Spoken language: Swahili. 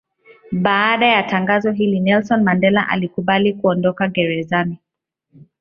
Baada ya tangazo hili Nelson Mandela alikubali kuondoka gerezani.